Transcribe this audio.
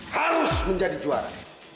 harus menjadi juara